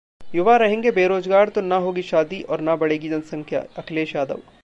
युवा रहेंगे बेरोजगार तो न होगी शादी और न बढ़ेगी जनसंख्या: अखिलेश यादव